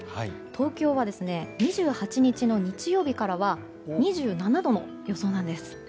東京は２８日の日曜日からは２７度の予想なんです。